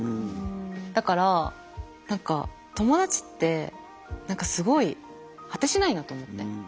だから何か友達って何かすごい果てしないなと思って。